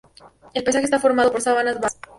El paisaje está formado por sabanas bajas.